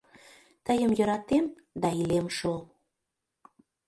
Тыйым йӧратем да илем шол...